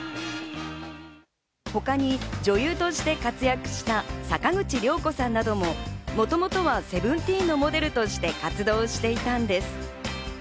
ほかに女優として活躍した坂口良子さんなどももともとは『Ｓｅｖｅｎｔｅｅｎ』のモデルとして活動していたんです。